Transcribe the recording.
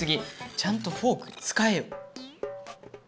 ちゃんとフォークつかえよ。